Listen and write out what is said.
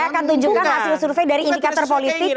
saya akan tunjukkan hasil survei dari indikator politik